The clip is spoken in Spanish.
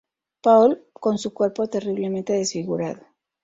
Paul con su cuerpo terriblemente desfigurado.